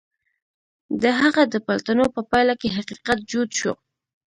د هغه د پلټنو په پايله کې حقيقت جوت شو.